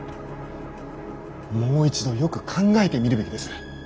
もう一度よく考えてみるべきです。